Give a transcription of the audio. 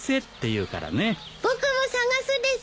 僕も探すです。